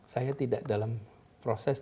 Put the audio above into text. saya tidak dalam proses